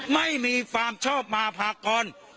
ไม่มีความชอบมาพากร